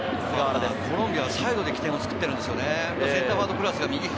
コロンビアはサイドで起点を作っていますよね。